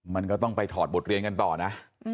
มันก็ต้องไปถอดบทเรียนกันต่อนะ